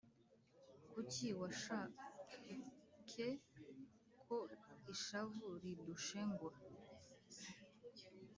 Kuki washake ko ishavu ridushengura